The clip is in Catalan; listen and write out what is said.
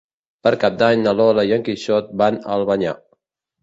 Per Cap d'Any na Lola i en Quixot van a Albanyà.